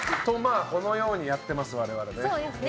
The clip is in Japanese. このようにやってます